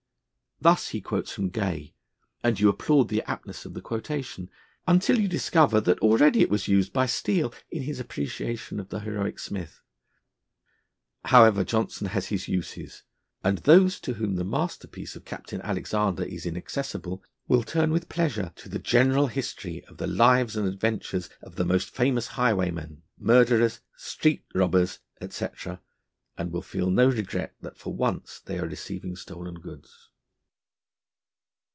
Thus he quotes from Gay, and you applaud the aptness of the quotation, until you discover that already it was used by Steele in his appreciation of the heroic Smith! However, Johnson has his uses, and those to whom the masterpiece of Captain Alexander is inaccessible will turn with pleasure to the General History of the lives and adventures of the most Famous Highwaymen, Murderers, Street Robbers, &c., and will feel no regret that for once they are receiving stolen goods.